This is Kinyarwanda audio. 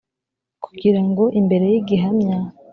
kugira ngo imbere y’igihamya